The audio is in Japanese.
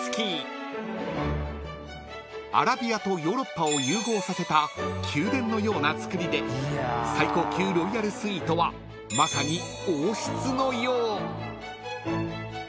［アラビアとヨーロッパを融合させた宮殿のような造りで最高級ロイヤルスイートはまさに王室のよう］